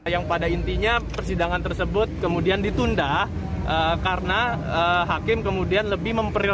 yang pada intinya persidangan tersebut kemudian ditunda karena hakim kemudian